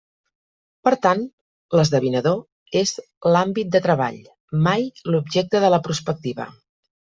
Per tant, l'esdevenidor és l'àmbit de treball, mai l'objecte de la prospectiva.